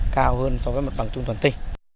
cao hơn so với mặt bằng trung toàn tây